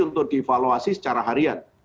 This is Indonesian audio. untuk di evaluasi secara harian